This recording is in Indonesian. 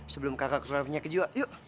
sebelum kakak keluar penyakit jiwa yuk